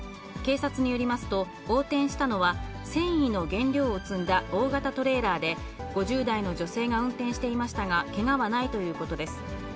警察によりますと、横転したのは繊維の原料を積んだ大型トレーラーで、５０代の女性が運転していましたが、けがはないということです。